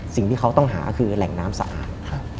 สิ่งที่เขาต้องหาคือแหล่งน้ำสะอาด